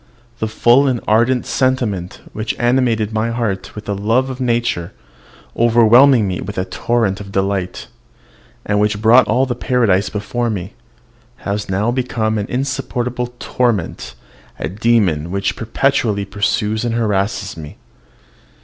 The full and ardent sentiment which animated my heart with the love of nature, overwhelming me with a torrent of delight, and which brought all paradise before me, has now become an insupportable torment, a demon which perpetually pursues and harasses me.